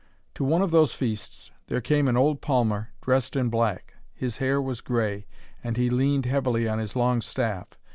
To one of those feasts there came an old palmer dressed in black. His hair was grey, and he leaned heavily on his long staff.